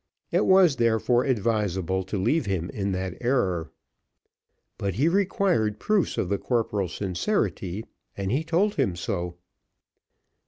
It was therefore advisable to leave him in that error. But he required proofs of the corporal's sincerity, and he told him so.